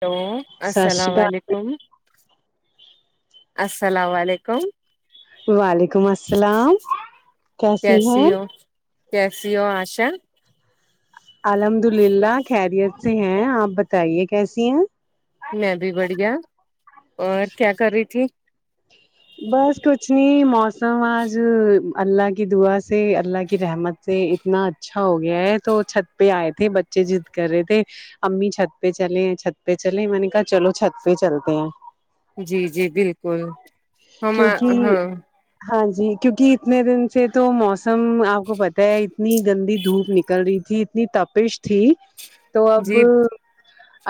hello سا شری السلام کال علیکم السلام علیکم وعلیکم السلام کیسی ہو کیسی ہو ایشا الحمد للہ خیریت سے ہیں آپ بتائیے کیسی ہیں میں بھی بڑھیا اور کیا کر رہی تھی بس کچھ نہیں موسم آج اللہ کی دعا سے اللہ کی رحمت سے اتنا اچھا ہو گیا ہے تو چھت پہ آئے تھے بچے ضد کر رہے تھے امی چھت پہ چلے ہیں چھت پہ چلے میں نے کہا چلو چھت پہ چلتے ہیں جی جی بالکل ہم کیونکہ ہاں ہاں جی کیوںکہ اتنے دن سے تو موسم آپ کو پتہ ہے اتنی گندی دھوپ نک کل رہی تھی اتنی تپش تھی تو اب جی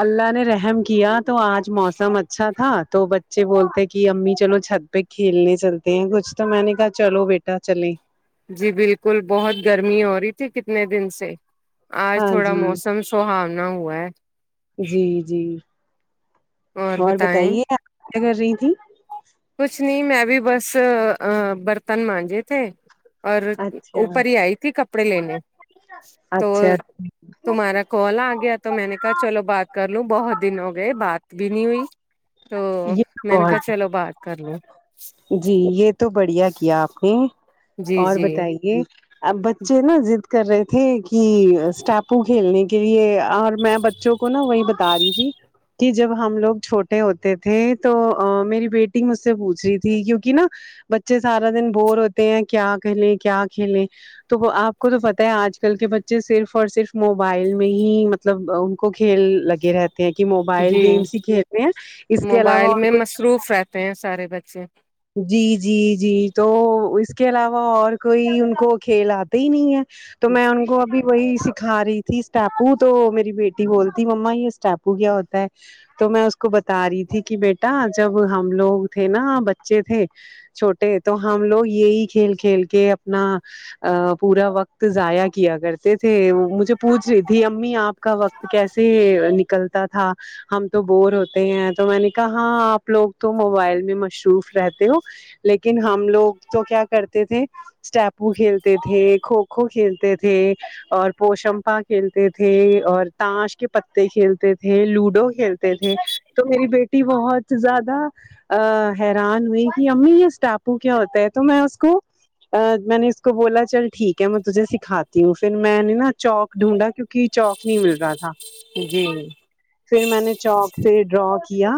اللہ نے رحم کیا تو آج موسم اچھا تھا تو بچے بولتے کہ امی چلو چھت پہ کھیلنے چلتے ہیں کچھ تو میں نے کہا چلو بیٹا چلیں جی بالکل بہت گرمی ہو رہی تھی کتنے دن سے آج ہاں تھوڑا جی موسم سہانا ہوا ہے جی جی اور بتائیے آپ کیا کر رہی تھی کچھ نہیں میں بھی بس برتن مانجے تھے اور او اچھا پری ہی آئی تھی کپڑے لینے تو اچھا تمہارا کال آ گیا تو میں نے کہا چلو بات کر لوں بہت دن ہو گئے بات بھی نہیں ہوئی تو یہ تو میں نے کہا بہت چلو بات کر لو جی یہ تو بڑھیا کیا آپ نے جی اور جی بتائیے اب بچے نا ضد کر رہے تھے کہ اسٹاپو کھیلنے کے لیے اور میں بچوں کو نا وہی بتا رہی تھی کہ جب ہم لوگ چھوٹے ہوتے تھے تو میری بیٹی مجھ سے پوچھ رہی تھی کیونکہ نا بچے سارا دن بور ہوتے ہیں کیا کھیلیں کیا کھیلیں تو وہ آپ کو تو پتہ ہے آج کل کے بچے صرف اور صرف موبائل میں ہی مطلب ان کو کھیل لگے رہتے ہیں کہ موبائل جی گیمس ہی کھیلتے ہیں اس کے علاوہ موبائل اور میں کوئی مصروف رہتے ہیں سارے بچے جی جی جی تو اس کے علاوہ اور کوئی ان کو کھیل آتے ہی نہیں ہے تو میں ان کو ابھی وہی سکھا رہی تھی اسٹیاپو تو میری بیٹی بولتی مما یہ اسٹاپو کیا ہوتا ہے تو میں اس کو بتا رہی تھی کہ بیٹا جب ہم لوگ تھے نا بچے تھے چھوٹے ہے تو ہم لوگ یہی کھیل کھیل کے اپنا پورا وقت ضائع کیا کرتے تھے مجھے پوچھ رہی تھی امی آپ کا وقت کیسے نکل تا تھا ہم تو بور ہوتے ہیں تو میں نے کہا ہاں آپ لوگ تو موبائل میں مصروف رہتے ہو لیکن ہم لوگ تو کیا کرتے تھے اسٹاپو کھیلتے تھے کھوکھو کھیلتے تھے اور پوشمپا کھیلتے تھے اور تاش کے پتے کھیلتے تھے لوڈو کھیلتے تھے تو میری بیٹی بہت زیادہ حیران ہوئی کہ امی یہ اس ٹاپو کیا ہوتا ہے تو میں اس کو میں نے اس کو بولا چل ٹھیک ہے میں تجھے سکھاتی ہوں پھر میں نے نا چوک ڈھونڈا کیونکہ چوک نہیں مل رہا تھا جی پھر میں نے چوک سے ڈرا کیا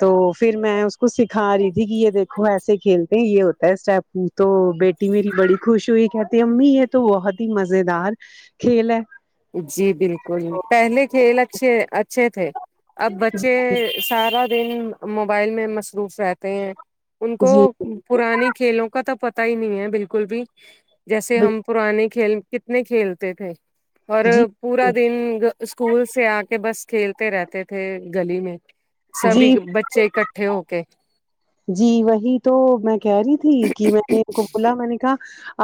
تو پھر میں اس کو سکھا رہی تھی تھی کہ یہ دیکھو ایسے کھیلتے ہیں یہ ہوتا ہے اسٹاپو تو بیٹی میری بڑی خوش ہوئی کہتی امی یہ تو بہت ہی مزیدار کھیل ہے جی بالکل پہلے کھیل اچھے تھے اب بچے سارا دن موبائل میں مصروف رہتے ہیں ان کو جی پرانے کھیلوں کا تو پتا ہی نہیں ہے بالکل بھی جیسے ہم پرانے کھیل کتنے کھیلتے تھے اور جی جی پورا دن اسکول سے آ کے بس کھیلتے رہتے تھے گلی میں سبھی جی بچے اکٹھے ہو کے جی وہی تو میں کہہ رہی تھی کہ میں نے ان کو بولا میں نے کہا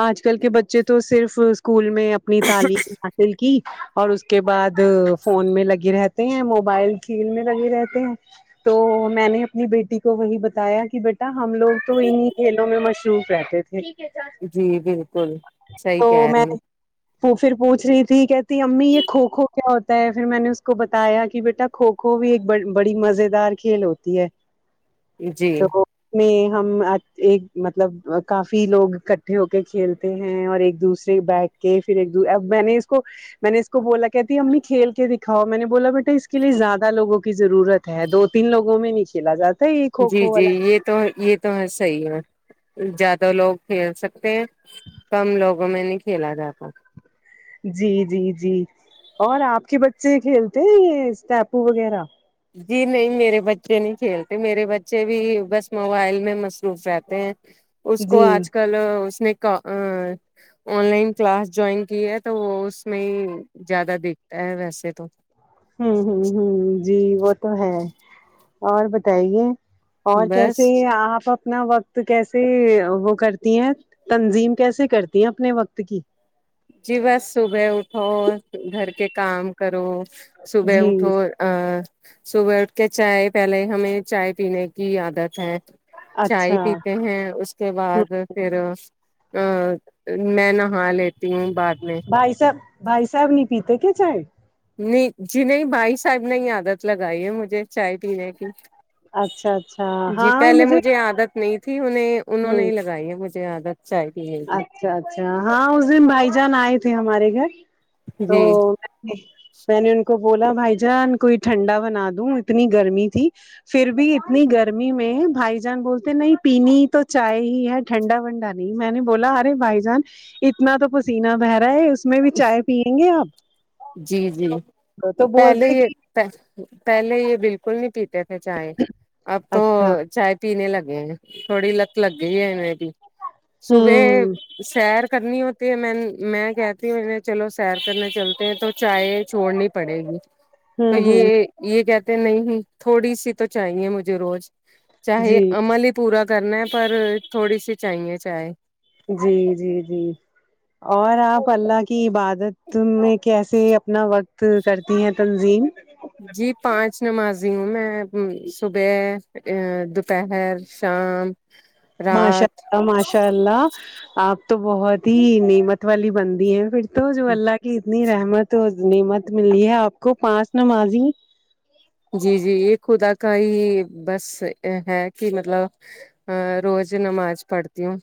آج کل کے بچے تو صرف اسکول میں اپنی تعلیم حاصل کی اور اس کے بعد فون میں لگے رہتے ہیں موبائل کھیل میں لگے رہتے ہیں تو میں نے اپنی بیٹی کو وہی بتا بتایا کہ بیٹا ہم لوگ تو انہیں کھیلوں میں مصروف رہتے تھے جی بالکل صحیح کہہ رہی ہیں وہ پھر پوچھ رہی تھی کہتی امی یہ کھو کھو کیا ہوتا ہے پھر میں نے اس کو بتایا کہ بیٹا کھوکھو بھی ایک بڑی مزیدار کھیل ہوتی ہے جی تو اس میں ہم ایک مطلب کافی لوگ اکٹھے ہو کے کھیل تے ہیں اور ایک دوسرے بیٹھ کے پھر ایک اب میں نے اس کو میں نے اس کو بولا کہتی امی کھیل کے دکھاؤ میں نے بولا بیٹا اس کے لیے زیادہ لوگوں کی ضرورت ہےدو تین لوگوں میں نہی کھلا جاتا ہے ایک جی جی یہ تو یہ تو ہے صحیح ہے زیادہ لوگ کھیل سکتے ہیں کم لوگوں میں نہیں کھیلا جاتا جی جی جی اور آپ کے بچے کھیلتے ہیں یہ اسٹاپو وغیرہ جی نہیں میرے بچے نہیں کھیلتے میرے بچے بھی بس موبائل میں مصروف رہتے ہیں اس کو جی آج کل اس نے آن لائن کلاس جوائن کی ہے تو وہ اس میں ہی زیادہ دکھتا ہے ویسے تو ھمم ھمم ھمم جی وہ تو ہے اور بتائیے اور کیسے بس آپ اب اپنا وقت کیسے وہ کرتی ہیں تنظیم کیسے کرتی ہیں اپنے وقت کی جی بس صبح اٹھو گھر کے کام کرو صبح جی اٹھو ا صبح اٹھ کے چائے پہلے ہمیں چائے پینے کی عادت ہے چائے اچھا پیتے ہیں اس اس کے بعد پھر ا میں نہا لیتی ہوں بعد میں بھائی صاحب بھائی صاحب نہیں پیتے کیا چاہے نہیں جی نہیں بھائی صاحب نے ہی عادت لگائی ہے مجھے چائے پینے کی اچھا اچھا جی ہاں پہلے مجھے عادت نہیں تھی انہیں انہوں ہ نے ہی لگائی ہے مجھے عادت چائے پینے کی اچھا اچھا ہاں اس دن بھائی جان آئے تھے ہمارے گھر تو جی میں نے ان کو بولا بھائی جان کوئی ٹھنڈا بنا دوں اتنی گرمی تھی پھر بھی اتنی گرمی میں بھائی جان بولتے نہیں پینی ہےتو چائے ہی ہے ٹھنڈا ونڈا نہیں میں نے بولا ارے بھائی جان اتنا تو پسینہ بہ رہا ہے اس میں بھی چائے پیئیں گے آپ جی جی تو پہلے بولتے یہ کہ پہلے یہ بالکل نہیں پیتے تھے چائے اب تو اچھا چائے پینے لگے ہیں تھوڑی لت لگی ہے ای بھی صبح ہوں سیر کرنی ہوتی ہے میں میں کہتی ہوں چلو سیر کرنے چل تو چائے چھوڑنی پڑے گی تو ہوں ہوں یہ یہ کہتے نہیں تھوڑی سی تو چاہیے مجھے روز چاہے جی امل پورا کرنا ہے پر تھوڑی سی چاہیے چائے جی جی جی اور آپ اللہ کی عبادت میں کیسے اپنا وقت کرتی ہیں تنظیم جی پانچ نمازی ہوں میں صبح دوپہر شام ہ ماشاء رات اللہ ماشاء اللہ آپ تو بہت ہی نعمت والی بندی ہیں پھر تو جو اللہ کی اتنی رحمت اور نعمت ملی ہے آپ کو پانچ نمازی جی جی یہ خدا کا ہی بس ہے کہ مطلب ا روز نماز پڑھتی ہوں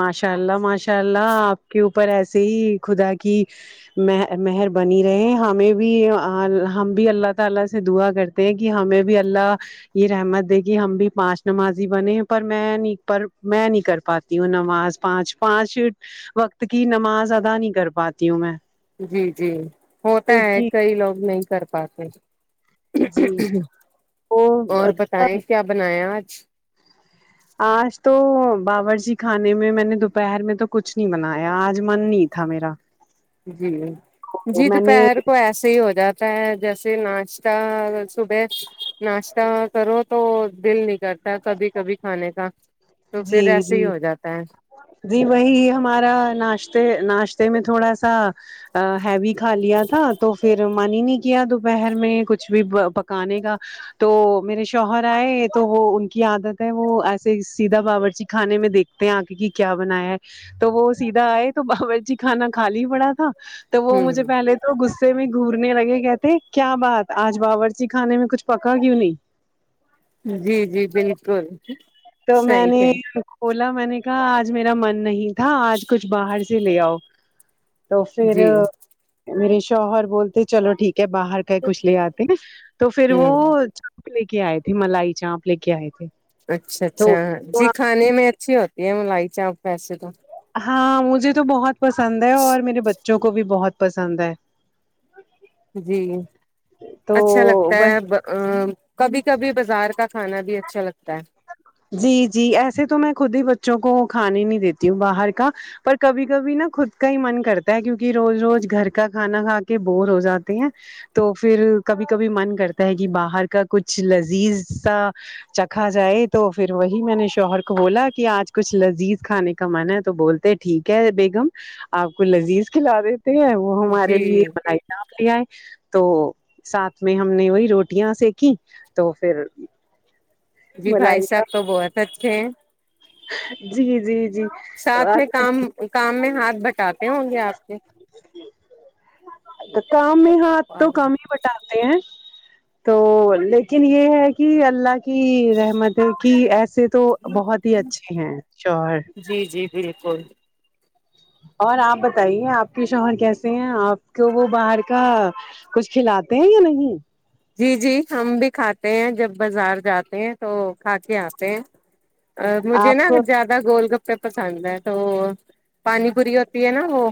ماشاء اللہ ماشاء اللہ آپ کے اوپر ایسے ہی خدا کی م مہر بنی رہے ہمیں بھی ہم بھی اللہ تعالی سے دعا کرتے کہ ہمیں بھی اللہ یہ رحمت دے کہ ہم بھی پانچ نمازی بنے ہیں پر میں نہیں پر میں نہیں کر پاتی ہوں نماز پانچ پانچ وقت کی نماز ادا نہیں کر پاتی ہوں میں جی جی ہوتا ہے کیونکہ کئی لوگ نہیں کر پاتے جی وہ اور بتیں کیا بنایا آج آج تو باورچی خانے میں میں نے دوپہر میں تو کچھ نہیں بنایا آج من نہیں تھا میرا جی تو جی میں نے دوپہر کو ایسے ہی ہو جاتا جیسے ناشتہ صبح ناشتہ کرو تو دل نک کرتا ہے کبھی کبھی کھانے کا تو جی پھر ایسے جی ہی ہو جاتا ہے جی وہی ہمارا ناشتے ناشتے میں تھوڑا سا ہیوی کھا لیا تھا تو پھر من ہی نہیں کیا دوپہر میں کچھ بھی پکانے کا تو میرے شوہر آئے تو وہ ان کی عادت ہے وہ ایسے سیدھا باورچی خانے میں دیکھتے ہیں آ کے کی کیا بنایا ہے تو وہ سیدھا آئے تو باورورچی خھانا کھالی پڑا تھا تو وہ مجھے ہ پہلے تو غصے میں گورنے لگے کہتے کیا بات آج باورچی خانے میں کچھ پکا کیوں نہیں جی جی بالکل تو میں صحیح نے ہے کھولا میں نے کہا آج میرا من نہیں تھا آج کچھ باہر سے لے آؤ تو پھر جی میرے شوہر بولتے چلو ٹھیک ہے باہر کہ کچھ لے آتے ن تو پھر وہ ہوں چانپ لے کے آئے تھے ملائی چانپ لے کے آئے تھے اچھا اچھا تو جی کھانے میں اچھی ہوتی ہے ملائی چاپ ویسے تو ہاں مجھے تو بہت پسند ہے اور میرے بچوں کو بھی بہت پسند ہے جی تو اچھا لگتا وہ ہے ا کبھی کبھی بازار کا کھانا بھی اچھا لگتا ہے جی جی ایسے تو میں خود ہی بچوں کو کھانے نہیں دیتی ہوں باہر کا پر کبھی کبھی نا خود کا ہی من کرتا ہے کیونکہ روز روز گھر کا کھانا کھا کے بور ہو جاتے ہیں تو پھر کبھی کبھی من کرتا ہے کہ باہر کا کچھ لذیذ سا چکھا جائے تو پھر وہی میں نے شوہر کو بولا کہ آج کچھ لذیذ کھانے کا من ہے تو بولتے ٹھیک ہے بیگم آپ کو لذیذ کھلا دیتے ہیں وہ ہمارے لیے جی بن نپ لے آئے تو ساتھ میں ہم نے وہی روٹیاں سکی تو پھر جی بھائی ملائی صاحب تو بہت اچھے ہیں جی جی جی ساتھ میں کام کام میں ہاتھ بٹاتے ہوں گے آپ کے کام میں ہاتھ تو کم ہی بٹاتے ہیں تو لیکن یہ ہے کہ اللہ کی رحمت کی ایسے تو بہت ہی اچھے ہیں شوہر جی جی بالکل اور آپ بتائیے آپ کے شوہر کیسے ہیں آپ کو وہ باہر کا کچھ کھلاتے ہیں یا نہیں جی جی ہم بھی کھاتے ہیں جب بازار جاتے ہیں تو کھا کے آتے ہیں ا مجھے نا آپ ا کو زدہ میرا گول گپے پسند ہے تو پانی پوری ہوتی ہے نا وہ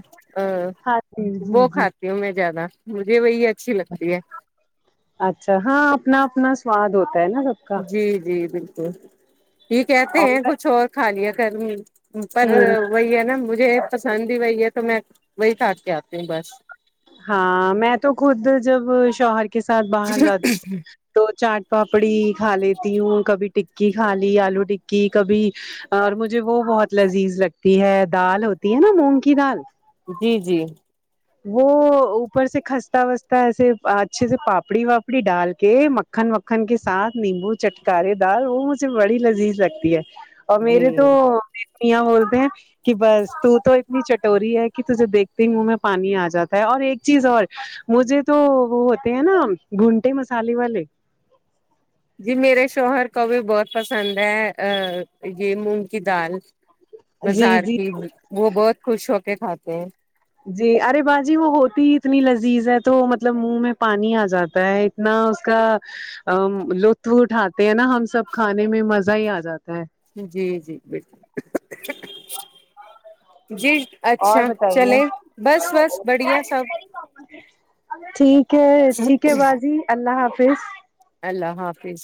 ا ہاں جی وہ جی جی کھاتی ہوں میں زیادہ مجھے وہی اچھی لگتی ہے اچھا ہاں اپنا اپنا سواد ہوتا ہے نا سب کا جی جی بالکل یہ کہتے ہیں کچھ اور کھا لیا کر پر اور وہی ہے نا مجھے پسند ہی وہی ہے تو میں وہی کھاکے آتی ہوں بس ہاں میں تو خود جب شوہر کے ساتھ باہر جاتی ہ تو چاٹ پاپڑی کھا لیتی ہوں کبھی ٹکی کھا لی آلو ٹکی کبھی اور مجھے وہ بہت لذیذ لگتی ہے دال ہوتی ہے نا مونگ کی دال جی جی وہ اوپر سے کھستا وستا ایسے اچھے سے پاپڑی واپڑی ڈال کے م مکھن مکھن کے ساتھ نیمبو چٹکارے دال وہ مجھے بڑی لذیذ لگتی ہے اور جی میرے تو میاں بولتے ہیں کہ بس ت تو اتنی چٹوری ہے کہ تجھے دیکھتی ہی منہ میں پانی آ جاتا ہے اور ایک چیز اور مجھے تو وہ ہوتے ہیں نا گھونٹے مسالے والے جی میرے شوہر کو بھی بہت پسند ہے ا یہ مونگ کی دال جی بازار جی کی وہ بہت خوش ہو کے کھاتے ہیں جی ارے باجی وہ ہوتی ہی اتنی لذیذ ہے تو مطلب منہ میں پانی آ جاتا ہے نہ اس کا ا لطف اٹھاتے ہیں نا ہم سب کھانے میں مزہ ہی آ جاتا ہے جی جی بالکل جی اور اچھا بتائیے چلے بس بس بڑھیا سب ٹھیک ہے ٹھیک ہے باجی اللہ حافظ اللہ حافظ